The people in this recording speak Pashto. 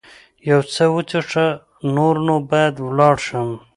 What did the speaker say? یو څه وڅښه، نور نو باید ولاړ شم.